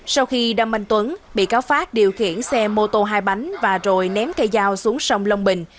sau khi đâm anh tuấn bị cáo phát điều khiển xe mô tô hai bánh và rồi ném cây dao xuống sông long bình